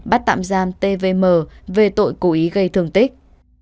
bắt tạm giam tvm về tội cố ý gây thương tích